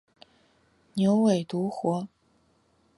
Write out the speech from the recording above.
牛尾独活